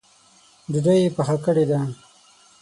ډوډۍ یې پخه کړې ده؟